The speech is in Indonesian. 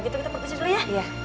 kita perkecil dulu ya